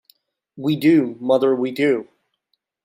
We do, mother, we do!